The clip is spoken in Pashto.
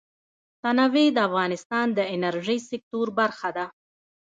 تنوع د افغانستان د انرژۍ سکتور برخه ده.